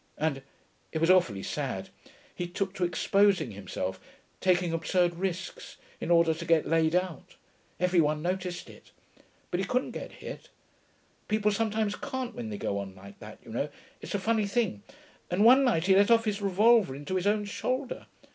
And ... it was awfully sad ... he took to exposing himself, taking absurd risks, in order to get laid out; every one noticed it. But he couldn't get hit; people sometimes can't when they go on like that, you know it's a funny thing and one night he let off his revolver into his own shoulder.